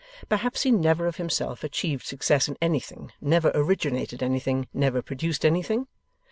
Perhaps he never of himself achieved success in anything, never originated anything, never produced anything?